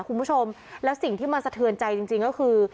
คุณผู้ชมแล้วสิ่งที่มันสะเทือนใจจริงก็คือ